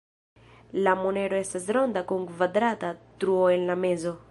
La monero estas ronda kun kvadrata truo en la mezo.